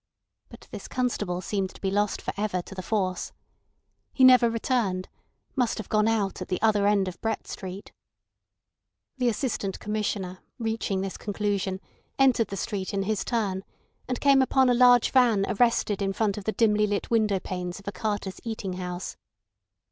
But this constable seemed to be lost for ever to the force. He never returned: must have gone out at the other end of Brett Street. The Assistant Commissioner, reaching this conclusion, entered the street in his turn, and came upon a large van arrested in front of the dimly lit window panes of a carter's eating house.